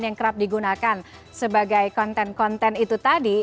yang kerap digunakan sebagai konten konten itu tadi